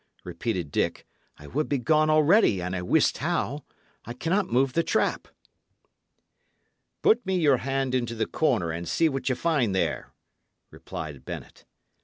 repeated Dick. "I would be gone already, an' I wist how. I cannot move the trap." "Put me your hand into the corner, and see what ye find there," replied Bennet.